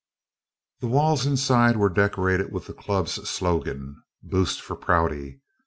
The walls inside were decorated with the Club's slogan, "Boost for Prouty."